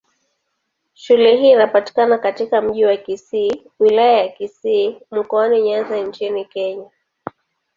Shule hii inapatikana katika Mji wa Kisii, Wilaya ya Kisii, Mkoani Nyanza nchini Kenya.